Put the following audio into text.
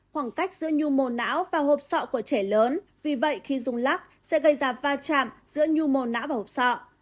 khoảng cách giữa nhu mồ não và hộp sọ của trẻ lớn vì vậy khi dùng lọc sẽ gây ra va chạm giữa nhu mồ não và hộp sọ